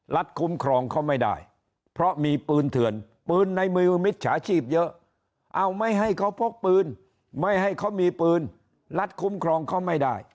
คุ้มครองเขาไม่ได้เพราะมีปืนเถื่อนปืนในมือมิจฉาชีพเยอะเอาไม่ให้เขาพกปืนไม่ให้เขามีปืนรัฐคุ้มครองเขาไม่ได้